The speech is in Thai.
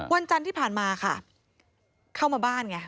วันจันทร์ที่ผ่านมาค่ะเข้ามาบ้านไง